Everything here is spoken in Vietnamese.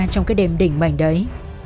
trong cái đêm đỉnh mảnh đấy